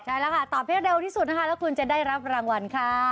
ใช่แล้วค่ะตอบให้เร็วที่สุดนะคะแล้วคุณจะได้รับรางวัลค่ะ